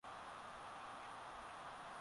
polisi na jeshi hali ambayo haikuongeza upendo